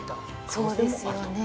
そうですよね。